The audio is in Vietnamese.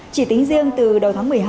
chỉ tính riêng từ đầu tháng một mươi hai